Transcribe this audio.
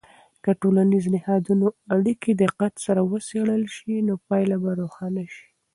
که د ټولنیزو نهادونو اړیکې دقت سره وڅیړل سي، نو پایله به روښانه سي.